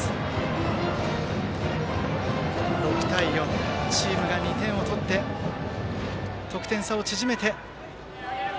６対４、チームが２点を取って得点差を縮めて。